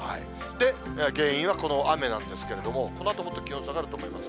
原因はこの雨なんですけれども、このあともっと気温下がると思います。